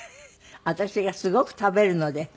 私がすごく食べるので。